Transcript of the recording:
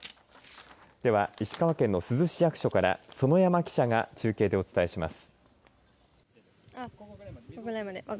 では石川県の珠洲市役所から園山記者が中継でお伝えします。